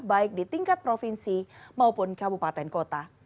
baik di tingkat provinsi maupun kabupaten kota